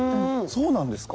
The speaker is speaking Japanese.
そうなんですか？